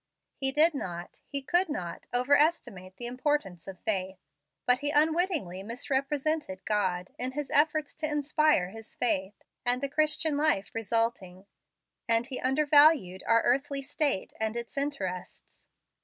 He did not he could not over estimate the importance of faith, but he unwittingly misrepresented God, in his efforts to inspire this faith, and the Christian life resulting; and he under valued our earthly state and its interests.